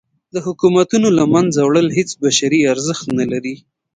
د حکومتونو له منځه وړل هیڅ بشري ارزښت نه لري.